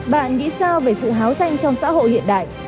bạn nghĩ sao về sự háo danh trong xã hội hiện đại